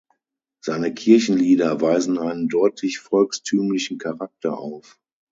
Seine Kirchenlieder weisen einen deutlich volkstümlichen Charakter auf.